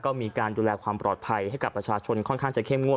ก็มีการดูแลความปลอดภัยให้กับประชาชนค่อนข้างจะเข้มงวด